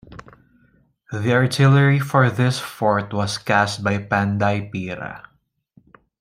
The artillery for this fort was cast by Panday Pira.